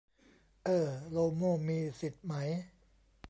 เอ้อ โลโม่มีสิทธิ์ไหม